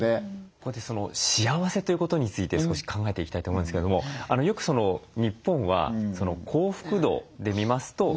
ここで幸せということについて少し考えていきたいと思うんですけれどもよく日本は幸福度で見ますと世界の中で決して高くはない。